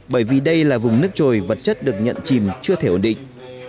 bởi vì đây là vùng nước trồi vật chất được nhận chìm chưa thể ổn định